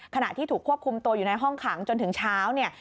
ขณะที่ถูกควบคุมตัวอยู่ในห้องขังจนถึงเช้าเนี่ย